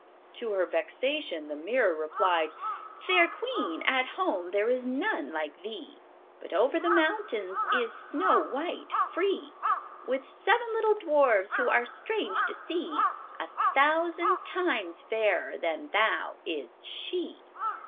To her vexation the mirror replied: "Fair queen, at home there is none like thee, But over the mountains is Snow white free, With seven little dwarfs, who are strange to see; A thousand times fairer than thou is she."